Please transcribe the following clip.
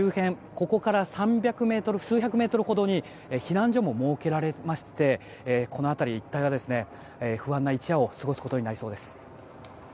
ここから数百メートルほどに避難所も設けられましてこの辺り一帯は不安な一夜を過ごすことになりそうです。